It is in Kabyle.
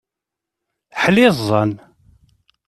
Ḥliẓẓan!